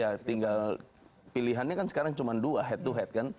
ya tinggal pilihannya kan sekarang cuma dua head to head kan